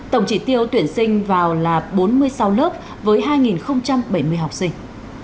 tổng chỉ tiêu tuyển sinh vào là bốn mươi sáu lớp với hai bảy mươi học sinh